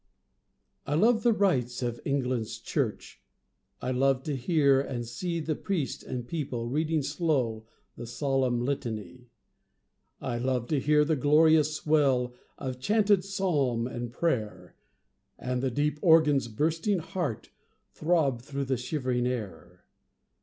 I love the rites of England's church; I love to hear and see The priest and people reading slow The solemn Litany; I love to hear the glorious swell Of chanted psalm and prayer, And the deep organ's bursting heart, Throb through the shivering air.